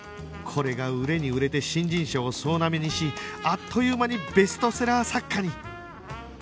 これが売れに売れて新人賞を総なめにしあっという間にベストセラー作家に！